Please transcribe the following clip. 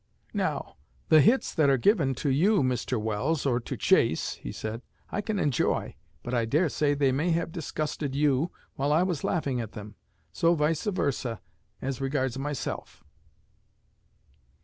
'Now, the hits that are given to you, Mr. Welles, or to Chase,' he said, 'I can enjoy; but I daresay they may have disgusted you while I was laughing at them. So vice versa as regards myself.'"